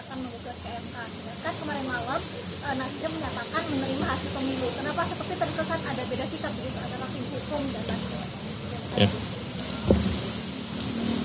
kenapa seperti terkesan ada beda sikap dari pak arta dan mas iban